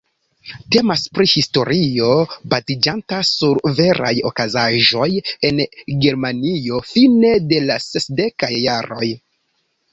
Temas pri historio, baziĝanta sur veraj okazaĵoj en Germanio fine de la sesdekaj jaroj.